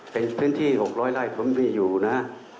เป็นพื้นที่๖๐๐ไร่ผมมีอยู่นะ